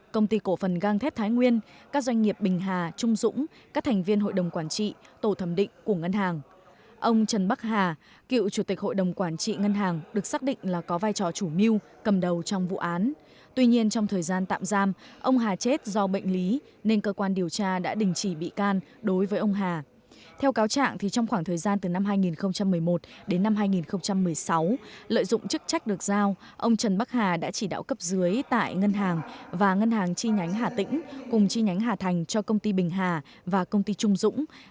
công ty cổ phần trăn đuôi bình hà công ty trách nhiệm yếu hạn thương mại và dịch vụ trung dũng